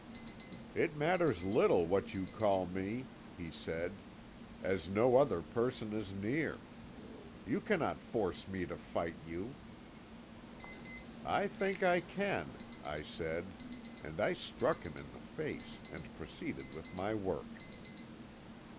"'It matters little what you call me,' he said, 'as no other person is near. You cannot force me to fight you.' "'I think I can,' I said, and I struck him in the face, and proceeded with my work.